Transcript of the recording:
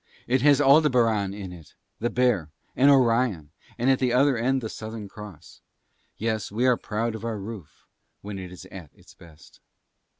It has Aldebaran in it, the Bear and Orion, and at the other end the Southern Cross. Yes we are proud of our roof when it is at its best.